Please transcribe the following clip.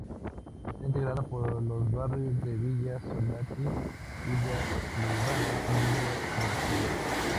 Está integrada por los barrios de Villa Soldati, Villa Lugano y Villa Riachuelo.